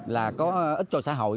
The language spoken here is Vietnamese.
là có ít cho xã hội